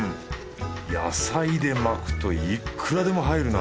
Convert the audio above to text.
野菜で巻くといくらでも入るな